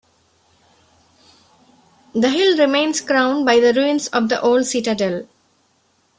The hill remains crowned by the ruins of the old citadel.